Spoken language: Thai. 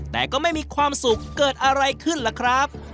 แต่ก็ไม่มีความสุขเกิดอะไรขึ้นล่ะครับ